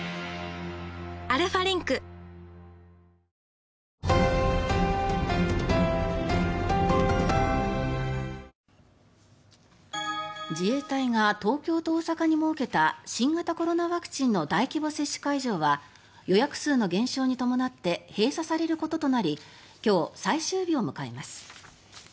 アルファリンク自衛隊が東京と大阪に設けた新型コロナワクチンの大規模接種会場は予約数の減少に伴って閉鎖されることとなり今日、最終日を迎えます。